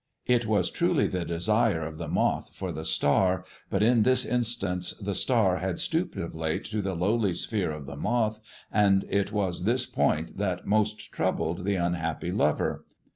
It was truly the desire of the moth for the star, but in this instance the star had stooped of late to the lowly sphere of the moth, and it was this point that most troubled the unhappy lover.